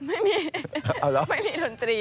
ไม่มีไม่มีทธิ